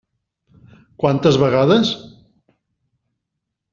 Quantes vegades?